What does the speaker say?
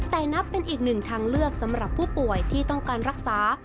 แต่นับเป็นอีกหนึ่งทางเลือกสำหรับผู้ป่วยที่ต้องการรักษา